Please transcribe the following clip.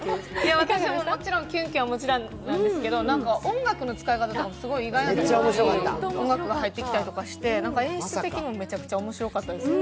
キュンキュンももちろんなんですけど音楽の使い方もすごくいいとこに音楽が入ってきたりして、演出的にもめちゃくちゃ面白かったです。